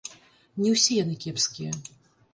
Не ўсе яны кепскія.